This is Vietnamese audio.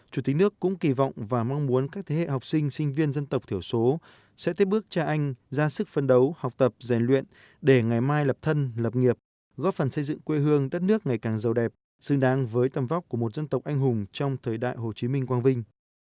chủ tịch nước cũng kỳ vọng và mong muốn các thế hệ học sinh sinh viên dân tộc thiểu số sẽ tiếp bước cha anh ra sức phân đấu học tập rèn luyện để ngày mai lập thân lập nghiệp góp phần xây dựng quê hương đất nước ngày càng giàu đẹp xứng đáng với tầm vóc của một dân tộc anh hùng trong thời đại hồ chí minh quang vinh